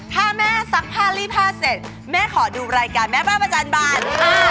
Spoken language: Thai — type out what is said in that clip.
ถ้าแม่ซักผ้าลี่ผ้าเสร็จแม่ขอดูรายการแม่บ้านประจำบาน